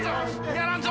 やらんぞ！